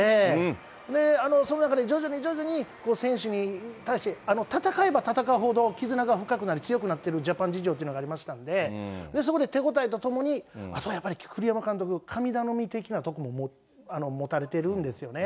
その中で徐々に徐々に選手に対して、あの戦えば戦うほど絆が深くなり強くなってるジャパン事情っていうのがありましたんで、そこで手応えとともに、あとはやっぱり栗山監督、神頼み的なところも持たれてるんですよね。